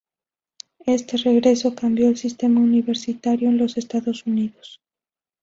Este regreso cambió el sistema universitario en los Estados Unidos.